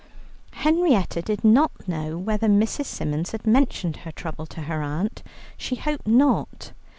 Henrietta did not know whether Mrs. Symons had mentioned her trouble to her aunt; she hoped not.